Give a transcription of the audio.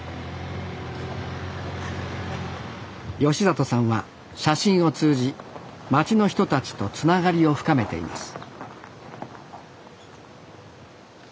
里さんは写真を通じ町の人たちとつながりを深めています